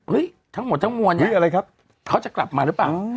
เฮ้ยทั้งหมดทั้งวันนี้เค้าจะกลับมาหรือเปล่า